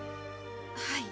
はい。